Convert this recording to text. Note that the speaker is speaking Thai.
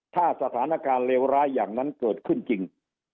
ถ้าสถานการณ์เลวร้ายอย่างนั้นเกิดขึ้นจริง